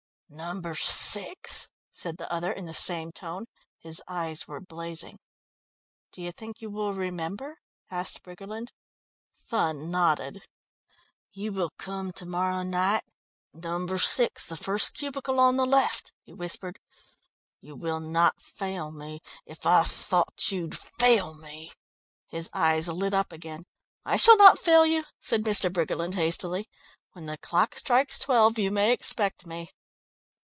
"No. 6," said the other in the same tone. His eyes were blazing. "Do you think you will remember?" asked Briggerland. Thun nodded. "You will come to morrow night No. 6, the first cubicle on the left," he whispered, "you will not fail me? If I thought you'd fail me " His eyes lit up again. "I shall not fail you," said Mr. Briggerland hastily. "When the clock strikes twelve you may expect me."